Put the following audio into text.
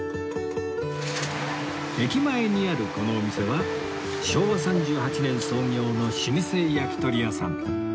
駅前にあるこのお店は昭和３８年創業の老舗焼き鳥屋さん